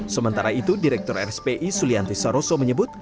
sementara itu direktur rspi sulianti saroso menyebut